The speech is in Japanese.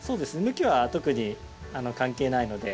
向きは特に関係ないので。